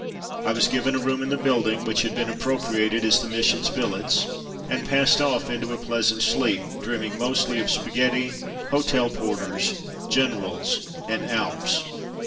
I was given a room in the build ing, which had been appropriated as the Mission's billets, and passed off into a pleasant sleep, dreaming mostly of spaghetti, hotel porters, generals, and Alps.